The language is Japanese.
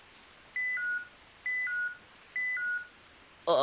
あ。